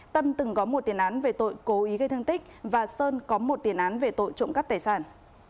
tâm từng có một tiền án về tội cố ý gây thương tích và sơn có một tiền án về tội trộm cắp tài sản